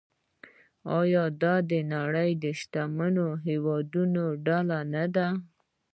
آیا دا د نړۍ د شتمنو هیوادونو ډله نه ده؟